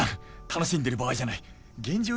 楽しんでる場合じゃない現状